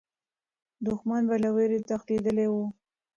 دښمن به له ویرې تښتېدلی وو.